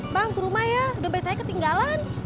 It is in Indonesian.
bang ke rumah ya dompet saya ketinggalan